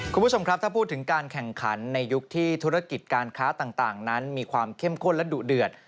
คุณผู้ชมครับถ้าพูดถึงการแข่งขันในยุคที่ธุรกิจการค้าต่างนั้นมีความเข้มข้นและดุเดือด